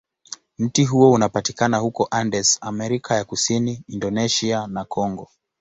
Mti huo unapatikana huko Andes, Amerika ya Kusini, Indonesia, na Kongo.